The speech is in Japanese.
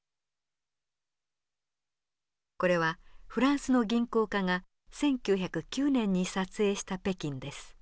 これはフランスの銀行家が１９０９年に撮影した北京です。